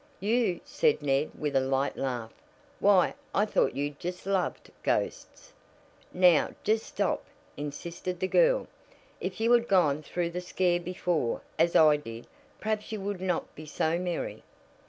"You!" said Ned with a light laugh. "Why, I thought you just loved ghosts." "Now, just stop!" insisted the girl. "If you had gone through the scare before, as I did, perhaps you would not be so merry."